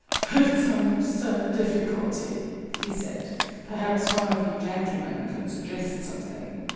"It's an absurd difficulty," he said. "Perhaps one of you gentlemen can suggest something.